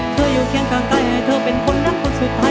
อยู่เคียงข้างใกล้ให้เธอเป็นคนรักคนสุดท้าย